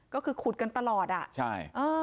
ก็คือขุดกันตลอดอ่ะอ่ออ้า